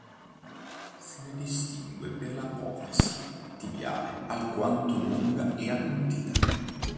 Se ne distingue per l'apofisi tibiale alquanto lunga e appuntita.